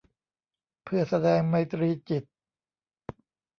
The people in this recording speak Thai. เพื่อแสดงไมตรีจิต